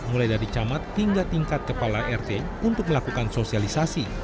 mulai dari camat hingga tingkat kepala rt untuk melakukan sosialisasi